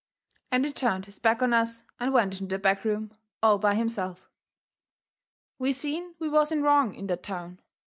And he turned his back on us and went into the back room all by himself. We seen we was in wrong in that town.